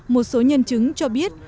một số nhân chứng cho biết